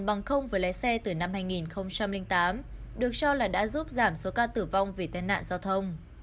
bằng không với lái xe từ năm hai nghìn tám được cho là đã giúp giảm số ca tử vong vì tai nạn giao thông